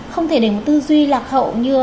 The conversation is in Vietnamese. không thể để một tư duy lạc hậu